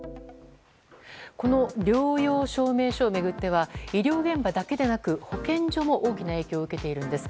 この療養証明書を巡っては医療現場だけでなく保健所も大きな影響を受けているんです。